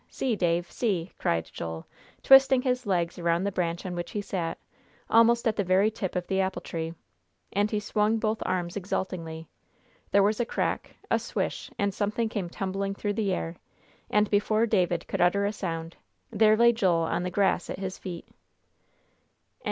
See, Dave! See!" cried Joel, twisting his legs around the branch on which he sat, almost at the very tip of the apple tree, and he swung both arms exultingly. There was a crack, a swish, and something came tumbling through the air, and before David could utter a sound, there lay Joel on the grass at his feet. XI DR.